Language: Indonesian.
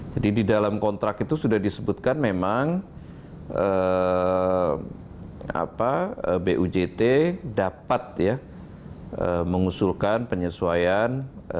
jadi di dalam kontrak itu sudah disebutkan memang bujt dapat ya mengusulkan penyesuaian